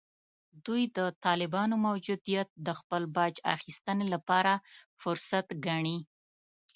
دوی د طالبانو موجودیت د خپل باج اخیستنې لپاره فرصت ګڼي